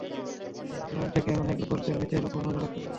আমাদের বিমান অনেক উপরে থেকে নিচের উপর নজর রাখতে পারে।